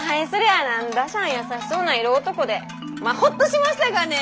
あ何だしゃん優しそうな色男でまっホッとしましたがね！